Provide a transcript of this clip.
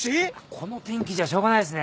この天気じゃしょうがないっすね。